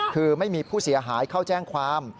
คือไม่มีผู้เสียหายเข้าแจ้งความ